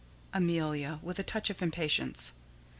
Amelia: [_With a touch of impatience.